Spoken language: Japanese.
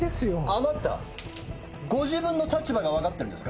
あなたご自分の立場が分かってるんですか？